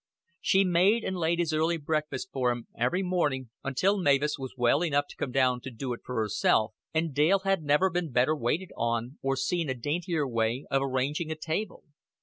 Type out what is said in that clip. She made and laid his early breakfast for him every morning until Mavis was well enough to come down to do it herself, and Dale had never been better waited on or seen a daintier way of arranging a table.